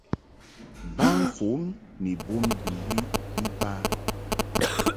Ba fon ni bon bɨwi iba.